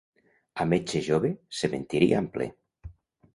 A metge jove, cementiri ample.